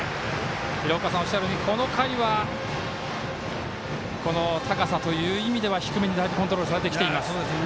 廣岡さんがおっしゃるようにこの回は高さという意味では低めにコントロールされてきています。